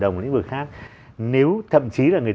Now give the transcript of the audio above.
đồng lĩnh vực khác nếu thậm chí là người